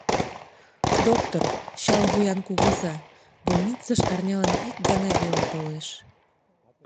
Доктор, чал вуян кугыза, больницыш арнялан ик гана веле толеш.